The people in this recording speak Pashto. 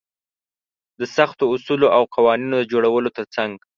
د سختو اصولو او قوانينونو د جوړولو تر څنګ.